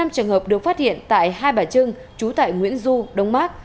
năm trường hợp được phát hiện tại hai bà trưng trú tại nguyễn du đông mát